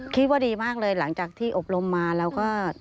ดีมากเลยหลังจากที่อบรมมาเราก็